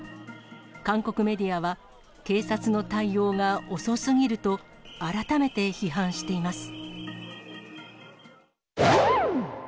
韓国メディアは、警察の対応が遅すぎると改めて批判しています。